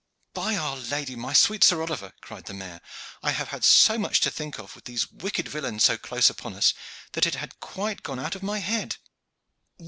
"By Our Lady! my sweet Sir Oliver," cried the mayor. "I have had so much to think of, with these wicked villains so close upon us, that it had quite gone out of my head."